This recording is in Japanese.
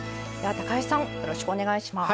橋さんよろしくお願いします。